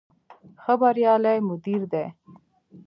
ښه بریالی مدیر دی.